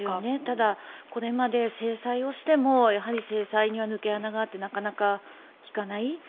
ただ、これまで制裁をしても制裁には抜け穴があってなかなか効かない。